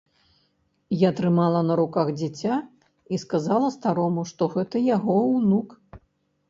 Я трымала на руках дзіця і сказала старому, што гэта яго ўнук.